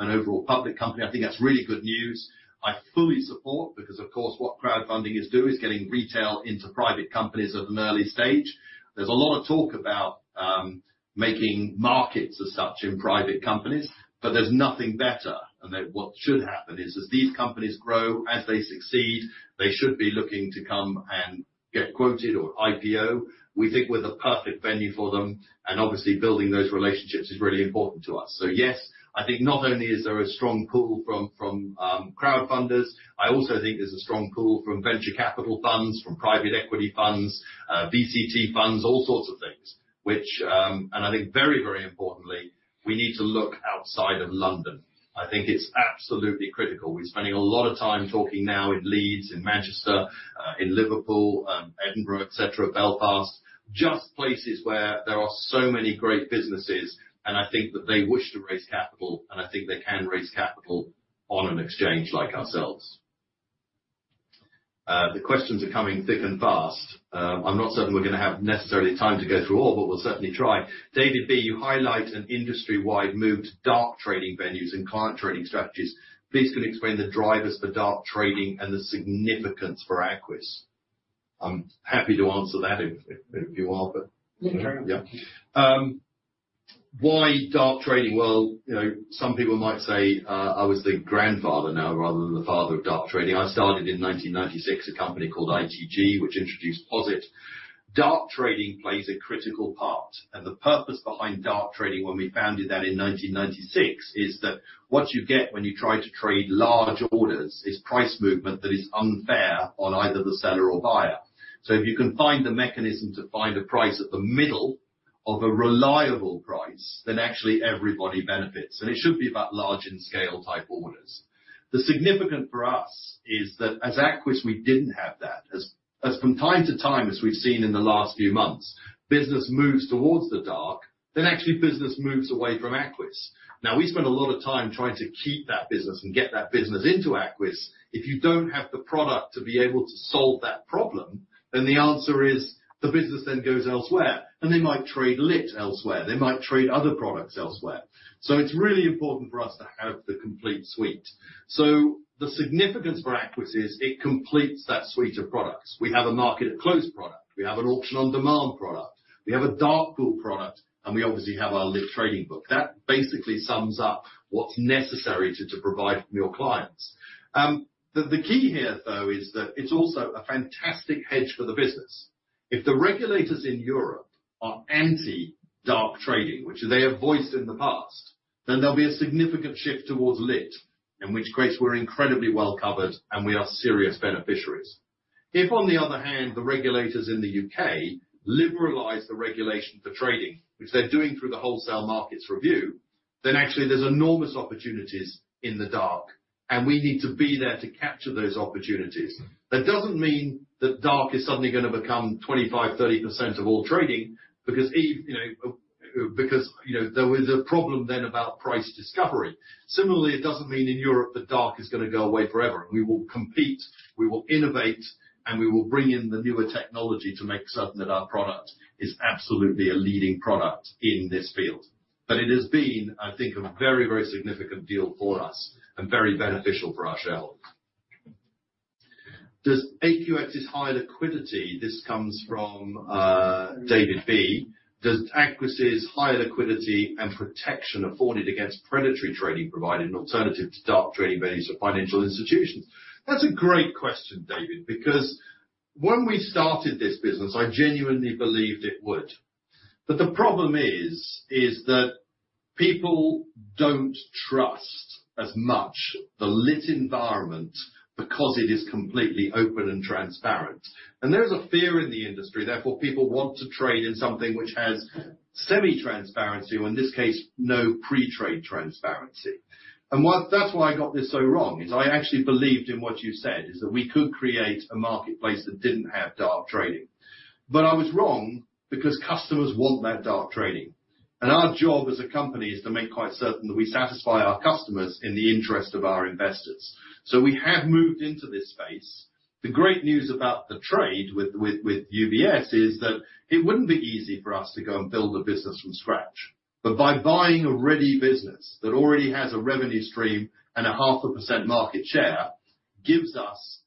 an overall public company. I think that's really good news. I fully support because, of course, what crowdfunding is doing is getting retail into private companies at an early stage. There's a lot of talk about making markets as such in private companies, but there's nothing better. That what should happen is as these companies grow, as they succeed, they should be looking to come and get quoted or IPO. We think we're the perfect venue for them, and obviously building those relationships is really important to us. Yes, I think not only is there a strong pull from crowdfunders, I also think there's a strong pull from venture capital funds, from private equity funds, VCT funds, all sorts of things. Which, and I think very, very importantly, we need to look outside of London. I think it's absolutely critical. We're spending a lot of time talking now in Leeds and Manchester, in Liverpool, Edinburgh, et cetera, Belfast. Just places where there are so many great businesses, and I think that they wish to raise capital, and I think they can raise capital on an exchange like ourselves. The questions are coming thick and fast. I'm not certain we're gonna have necessarily time to go through all, but we'll certainly try. David B., you highlight an industry-wide move to dark trading venues and client trading strategies. Please can you explain the drivers for dark trading and the significance for Aquis? I'm happy to answer that if you are, but- Yeah. Yeah. Why dark trading? Well, you know, some people might say I was the grandfather now rather than the father of dark trading. I started in 1996 a company called ITG, which introduced POSIT. Dark trading plays a critical part, and the purpose behind dark trading when we founded that in 1996 is that what you get when you try to trade large orders is price movement that is unfair on either the seller or buyer. So if you can find the mechanism to find a price at the middle of a reliable price, then actually everybody benefits. It should be about large and scale type orders. The significance for us is that at Aquis, we didn't have that. As from time to time, as we've seen in the last few months, business moves towards the dark, then actually business moves away from Aquis. We spend a lot of time trying to keep that business and get that business into Aquis. If you don't have the product to be able to solve that problem, then the answer is the business then goes elsewhere, and they might trade lit elsewhere. They might trade other products elsewhere. It's really important for us to have the complete suite. The significance for Aquis is it completes that suite of products. We have a market close product. We have an Auction on Demand product. We have a dark pool product, and we obviously have our lit trading book. That basically sums up what's necessary to provide from your clients. The key here, though, is that it's also a fantastic hedge for the business. If the regulators in Europe are anti-dark trading, which they have voiced in the past, then there'll be a significant shift towards lit, in which case we're incredibly well covered, and we are serious beneficiaries. If, on the other hand, the regulators in the U.K. liberalize the regulation for trading, which they're doing through the Wholesale Markets Review, then actually there's enormous opportunities in the dark, and we need to be there to capture those opportunities. That doesn't mean that dark is suddenly gonna become 25%-30% of all trading because you know, there is a problem then about price discovery. Similarly, it doesn't mean in Europe the dark is gonna go away forever. We will compete, we will innovate, and we will bring in the newer technology to make certain that our product is absolutely a leading product in this field. It has been, I think, a very, very significant deal for us and very beneficial for our shareholders. This comes from David B. Does Aquis' high liquidity and protection afforded against predatory trading provide an alternative to dark trading venues for financial institutions? That's a great question, David, because when we started this business, I genuinely believed it would. The problem is that people don't trust as much the lit environment because it is completely open and transparent. There's a fear in the industry. Therefore, people want to trade in something which has semi-transparency, or in this case, no pre-trade transparency. That's why I got this so wrong. I actually believed in what you said, that we could create a marketplace that didn't have dark trading. I was wrong because customers want that dark trading. Our job as a company is to make quite certain that we satisfy our customers in the interest of our investors. We have moved into this space. The great news about the trade with UBS is that it wouldn't be easy for us to go and build a business from scratch. By buying a ready business that already has a revenue stream and a 0.5% market share, gives us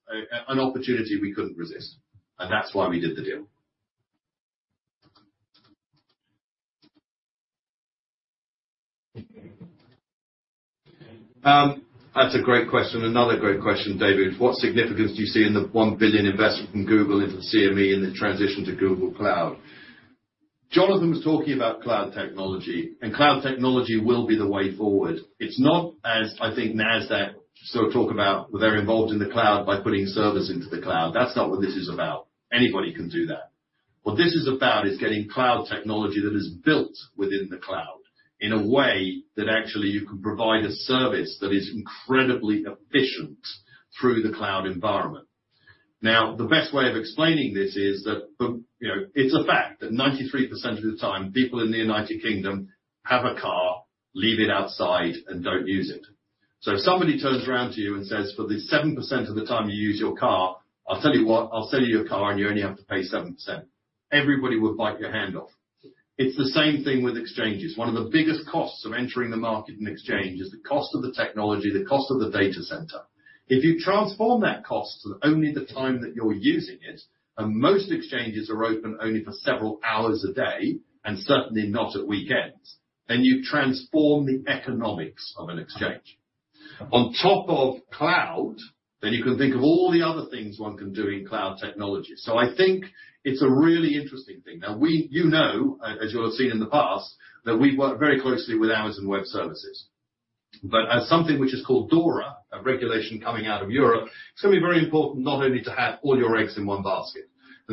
an opportunity we couldn't resist, and that's why we did the deal. That's a great question. Another great question, David. What significance do you see in the $1 billion investment from Google into the CME and the transition to Google Cloud? Jonathan was talking about cloud technology, and cloud technology will be the way forward. It's not as, I think, Nasdaq sort of talk about they're involved in the cloud by putting servers into the cloud. That's not what this is about. Anybody can do that. What this is about is getting cloud technology that is built within the cloud in a way that actually you can provide a service that is incredibly efficient through the cloud environment. Now, the best way of explaining this is that, you know, it's a fact that 93% of the time, people in the United Kingdom have a car, leave it outside, and don't use it. So if somebody turns around to you and says, "For the 7% of the time you use your car, I'll tell you what, I'll sell you a car, and you only have to pay 7%," everybody would bite your hand off. It's the same thing with exchanges. One of the biggest costs of entering the market in exchange is the cost of the technology, the cost of the data center. If you transform that cost to only the time that you're using it, and most exchanges are open only for several hours a day, and certainly not at weekends, then you transform the economics of an exchange. On top of cloud, then you can think of all the other things one can do in cloud technology. So I think it's a really interesting thing. You know, as you have seen in the past, that we work very closely with Amazon Web Services. But as something which is called DORA, a regulation coming out of Europe, it's gonna be very important not only to have all your eggs in one basket.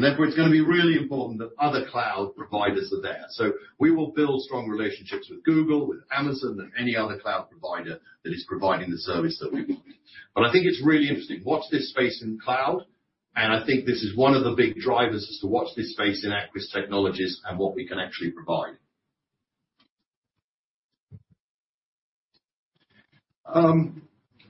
Therefore, it's gonna be really important that other cloud providers are there. We will build strong relationships with Google, with Amazon, and any other cloud provider that is providing the service that we want. I think it's really interesting. Watch this space in cloud, and I think this is one of the big drivers as to watch this space in Aquis Technologies and what we can actually provide.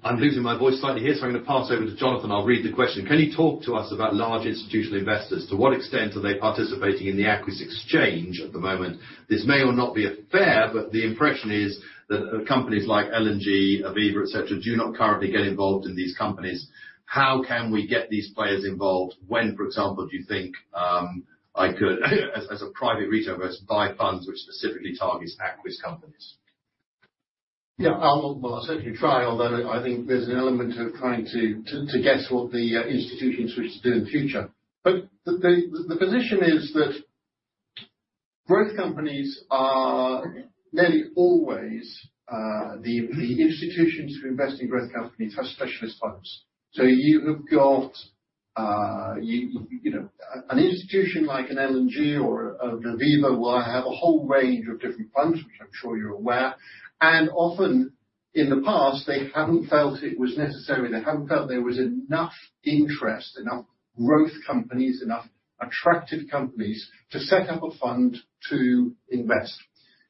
I'm losing my voice slightly here, so I'm gonna pass over to Jonathan. I'll read the question. Can you talk to us about large institutional investors? To what extent are they participating in the Aquis Exchange at the moment? This may or not be a fair, but the impression is that companies like L&G, Aviva, et cetera, do not currently get involved in these companies. How can we get these players involved? When, for example, do you think I could, as a private retail investor buy funds which specifically targets Aquis companies? Yeah. Well, I'll certainly try, although I think there's an element of trying to guess what the institutions wish to do in the future. The position is that growth companies are nearly always the institutions who invest in growth companies have specialist funds. You have got you know, an institution like an L&G or Aviva will have a whole range of different funds, which I'm sure you're aware. Often in the past, they haven't felt it was necessary. They haven't felt there was enough interest, enough growth companies, enough attractive companies to set up a fund to invest.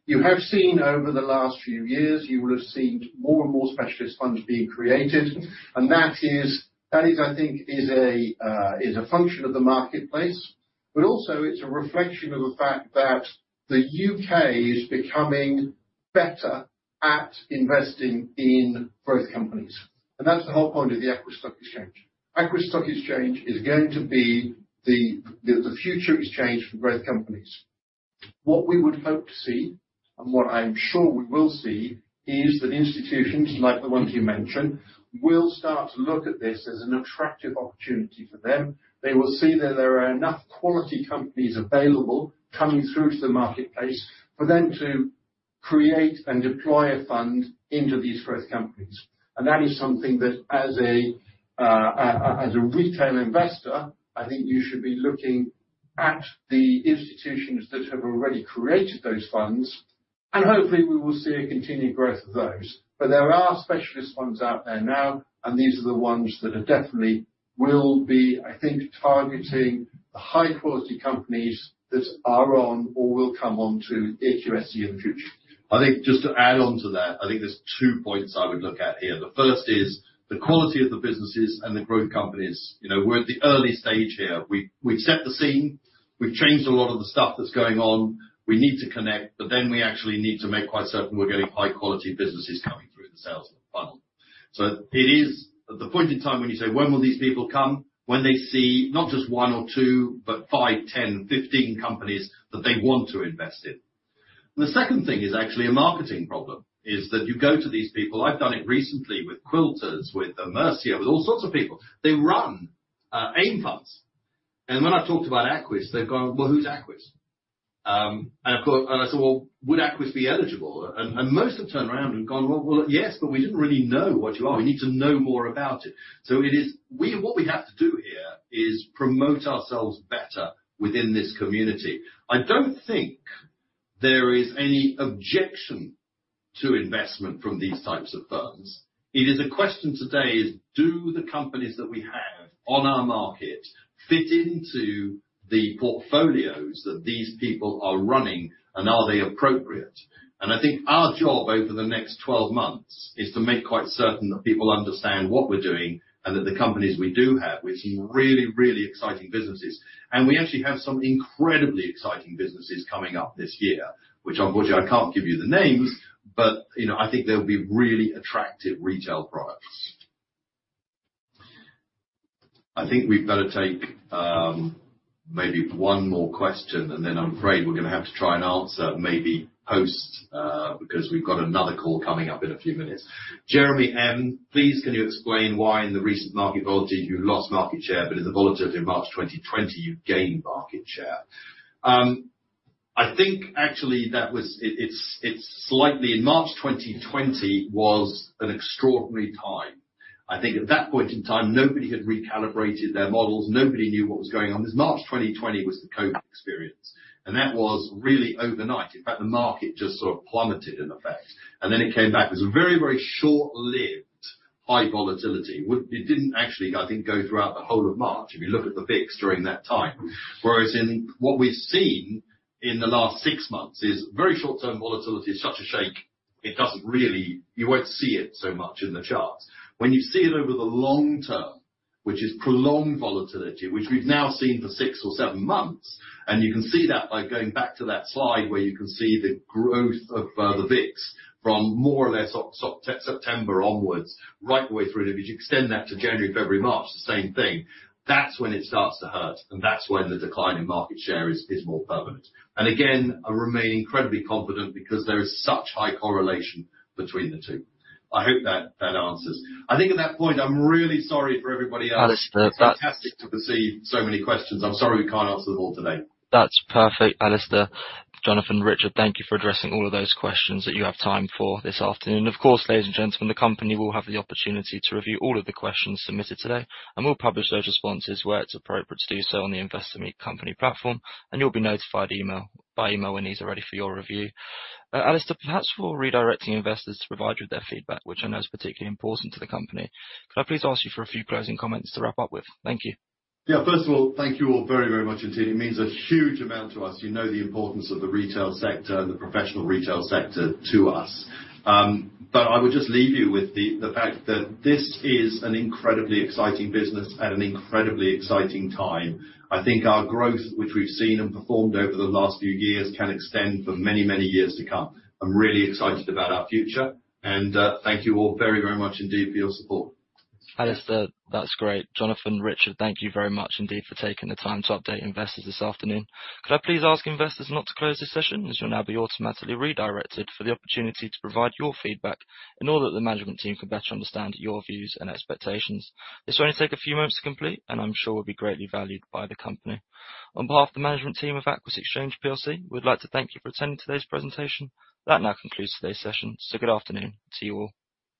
You have seen over the last few years, you would have seen more and more specialist funds being created. That is, I think, a function of the marketplace. It's a reflection of the fact that the U.K. is becoming better at investing in growth companies. That's the whole point of the Aquis Stock Exchange. Aquis Stock Exchange is going to be the future exchange for growth companies. What we would hope to see, and what I'm sure we will see, is that institutions like the ones you mentioned will start to look at this as an attractive opportunity for them. They will see that there are enough quality companies available coming through to the marketplace for them to create and deploy a fund into these growth companies. That is something that as a retail investor, I think you should be looking at the institutions that have already created those funds. Hopefully we will see a continued growth of those. There are specialist ones out there now, and these are the ones that are definitely will be, I think, targeting the high-quality companies that are on or will come onto AQSE in the future. I think just to add on to that, I think there's two points I would look at here. The first is the quality of the businesses and the growth companies. You know, we're at the early stage here. We've set the scene, we've changed a lot of the stuff that's going on. We need to connect, but then we actually need to make quite certain we're getting high-quality businesses coming through the sales funnel. It is the point in time when you say, "When will these people come?" When they see not just one or two, but five, 10, 15 companies that they want to invest in. The second thing is actually a marketing problem, is that you go to these people. I've done it recently with Quilter, with Amersham, with all sorts of people. They run AIM funds. When I've talked about Aquis, they've gone, "Well, who's Aquis?" I said, "Well, would Aquis be eligible?" Most have turned around and gone, "Well, yes, but we didn't really know what you are. We need to know more about it." What we have to do here is promote ourselves better within this community. I don't think there is any objection to investment from these types of firms. It is a question today, do the companies that we have on our market fit into the portfolios that these people are running and are they appropriate? I think our job over the next 12 months is to make quite certain that people understand what we're doing and that the companies we do have, which is really exciting businesses. We actually have some incredibly exciting businesses coming up this year, which I can't give you the names, but, you know, I think they'll be really attractive retail products. I think we'd better take maybe one more question, and then I'm afraid we're gonna have to try and answer maybe post because we've got another call coming up in a few minutes. Jeremy M. "Please, can you explain why in the recent market volatility, you lost market share, but in the volatility in March 2020, you gained market share?" I think actually it's slightly. March 2020 was an extraordinary time. I think at that point in time, nobody had recalibrated their models. Nobody knew what was going on. March 2020 was the COVID experience, and that was really overnight. In fact, the market just sort of plummeted in effect, and then it came back. It was a very, very short-lived high volatility. Which it didn't actually, I think, go throughout the whole of March, if you look at the VIX during that time. Whereas in what we've seen in the last six months is very short-term volatility such a shake, it doesn't really, you won't see it so much in the charts. When you see it over the long term, which is prolonged volatility, which we've now seen for six or seven months, and you can see that by going back to that slide where you can see the growth of the VIX from more or less September onwards, right the way through. If you extend that to January, February, March, the same thing. That's when it starts to hurt, and that's when the decline in market share is more permanent. Again, I remain incredibly confident because there is such high correlation between the two. I hope that answers. I think at that point, I'm really sorry for everybody else. Alasdair, Fantastic to receive so many questions. I'm sorry we can't answer them all today. That's perfect. Alasdair, Jonathan, Richard, thank you for addressing all of those questions that you have time for this afternoon. Of course, ladies and gentlemen, the company will have the opportunity to review all of the questions submitted today, and we'll publish those responses where it's appropriate to do so on the Investor Meet Company platform, and you'll be notified by email when these are ready for your review. Alasdair, perhaps for redirecting investors to provide you with their feedback, which I know is particularly important to the company. Could I please ask you for a few closing comments to wrap up with? Thank you. Yeah. First of all, thank you all very, very much indeed. It means a huge amount to us. You know the importance of the retail sector and the professional retail sector to us. I would just leave you with the fact that this is an incredibly exciting business at an incredibly exciting time. I think our growth, which we've seen and performed over the last few years, can extend for many, many years to come. I'm really excited about our future and thank you all very, very much indeed for your support. Alasdair, that's great. Jonathan, Richard, thank you very much indeed for taking the time to update investors this afternoon. Could I please ask investors not to close this session, as you'll now be automatically redirected for the opportunity to provide your feedback in order that the management team can better understand your views and expectations. This will only take a few moments to complete, and I'm sure will be greatly valued by the company. On behalf of the management team of Aquis Exchange PLC, we'd like to thank you for attending today's presentation. That now concludes today's session. Good afternoon to you all.